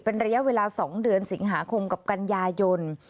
เป็นระยะเวลา๒เดือนสิงหาคมกับกันยายน